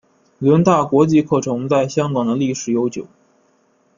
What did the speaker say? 伦大国际课程在香港的历史悠久。